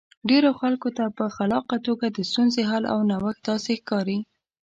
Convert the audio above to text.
ډېرو خلکو ته په خلاقه توګه د ستونزې حل او نوښت داسې ښکاري.